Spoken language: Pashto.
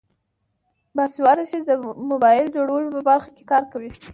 باسواده ښځې د موبایل جوړولو په برخه کې کار کوي.